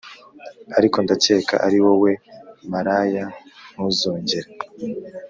Ariko ndakeka ariwowe maraya ntuzongere